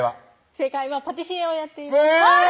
正解はパティシエをやっていますえぇ！